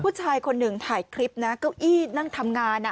ผู้ชายคนหนึ่งถ่ายคลิปนะเก้าอี้นั่งทำงาน